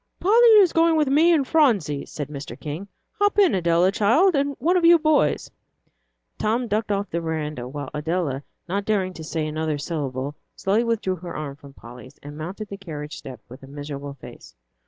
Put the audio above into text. "Polly is going with me and Phronsie," said Mr. King. "Hop in, Adela, child, and one of you boys." Tom ducked off the veranda, while Adela, not daring to say another syllable, slowly withdrew her arm from Polly's and mounted the carriage step, with a miserable face.